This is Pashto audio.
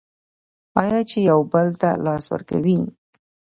آیا چې یو بل ته لاس ورکوي؟